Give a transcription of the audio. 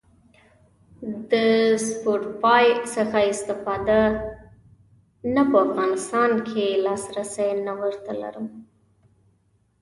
د سپوټیفای څخه استفاده؟ نه په افغانستان کی لاسرسی نه ور ته لرم